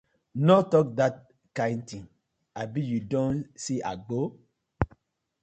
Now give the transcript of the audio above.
No tok dat kind tin, abi yu don see Agbor?